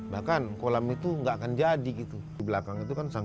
namun kalian tidak suka